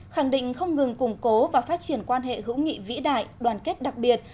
khẳng định không ngừng củng cố và phát triển quan hệ hữu nghị vĩ đại đoàn kết đặc biệt